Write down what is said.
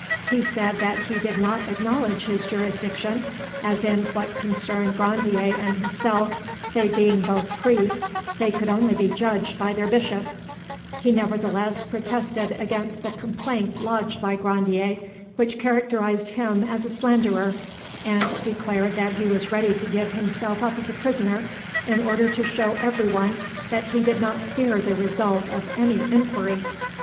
He said that he did not acknowledge his jurisdiction, as in what concerned Grandier and himself, they being both priests, they could only be judged by their bishop; he nevertheless protested against the complaint lodged by Grandier, which characterised him as a slanderer, and declared that he was ready to give himself up as a prisoner, in order to show everyone that he did not fear the result of any inquiry.